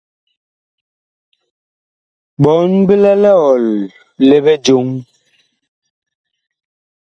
Bɔɔn bi lɛ liɔl li bijoŋ.